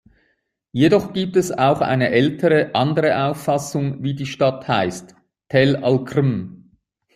Jedoch gibt es auch eine ältere andere Auffassung, wie die Stadt heißt: „Tel-alkrm“.